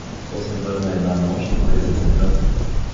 То се върна една нощ през есента.